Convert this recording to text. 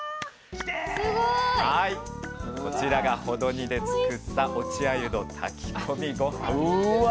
こちらがほど煮で作った落ちあゆの炊き込みごはんです。